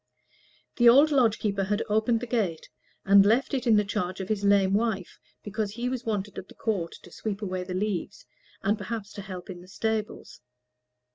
The old lodge keeper had opened the gate and left it in the charge of his lame wife, because he was wanted at the Court to sweep away the leaves, and perhaps to help in the stables.